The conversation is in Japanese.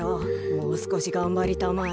もうすこしがんばりたまえ。